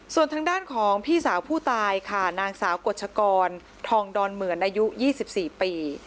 ส่วนทางด้านของพี่สาวผู้ตายค่ะนางสาวกฎชกรทองดอนเหมือนอายุ๒๔ปี